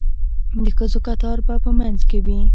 د ښځو کتار به په منځ کې وي.